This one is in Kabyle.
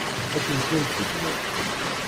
Akken kan tebda.